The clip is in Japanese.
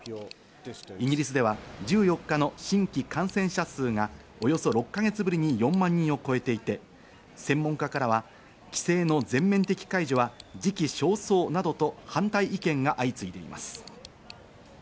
イギリスでは１４日の新規感染者数がおよそ６か月ぶりに４万人を超えていて、専門家からは規制の全面的解除は時期尚早などと反対意見が相次いでいます。